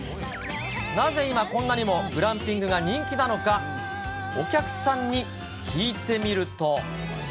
なぜ今、こんなにもグランピングが人気なのか、お客さんに聞いてみると。